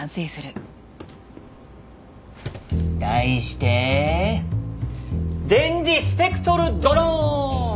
題して電磁スペクトルドローン！